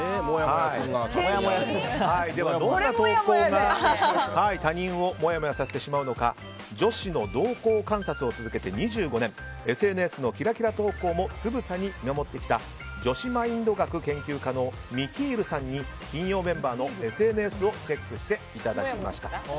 なぜ他人をもやもやさせてしまうのか女子の動向観察を続けて２５年ＳＮＳのキラキラ投稿もつぶさに見守ってきた女子マインド学研究家のみきーるさんに金曜メンバーのＳＮＳをチェックしていただきました。